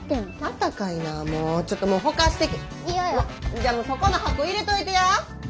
じゃもうそこの箱入れといてや。